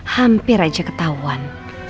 hampir aja ketahuan